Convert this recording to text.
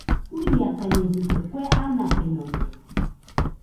Fuiakañedɨkue, kue anafenode.